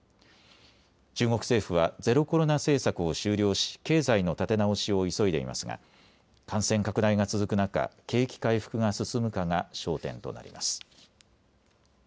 中国政府はゼロコロナ政策を終了し経済の立て直しを急いでいますが、感染拡大が続く中、景気回復が進むかが焦点となります。